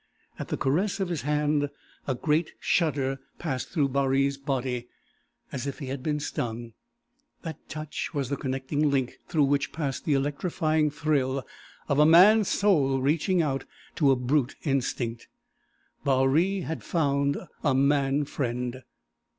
At the caress of his hand a great shudder passed through Baree's body, as if he had been stung. That touch was the connecting link through which passed the electrifying thrill of a man's soul reaching out to a brute instinct. Baree had found a man friend!